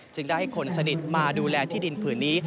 ได้ให้คนสนิทมาดูแลที่ดินผืนนี้